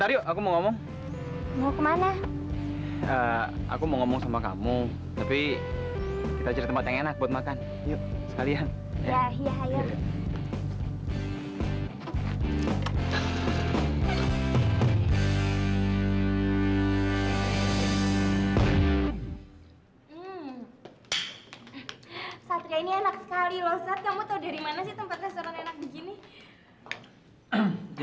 ini nomor teleponnya